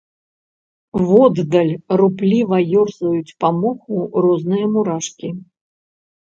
Воддаль рупліва ёрзаюць па моху розныя мурашкі.